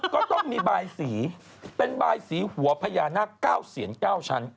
ก็ต้องมีบายสีเป็นบายสีหัวพญานาคเก้าเศียรเก้าชั้น